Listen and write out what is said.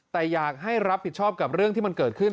แต่อยากให้รับผิดชอบกับเรื่องที่มันเกิดขึ้น